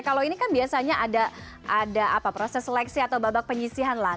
kalau ini kan biasanya ada proses seleksi atau babak penyisihan lah